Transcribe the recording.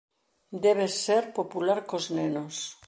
Debes ser popular cos nenos.